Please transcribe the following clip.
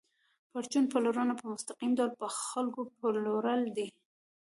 پرچون پلورنه په مستقیم ډول په خلکو پلورل دي